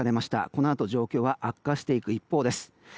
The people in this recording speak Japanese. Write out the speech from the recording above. このあと状況は悪化していく一方です。